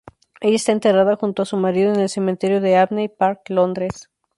Ella está enterrada junto a su marido en el Cementerio de Abney Park, Londres.